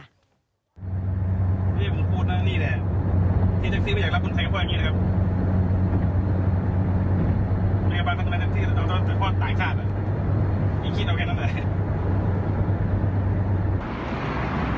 ไม่คิดเอาไงทำอะไร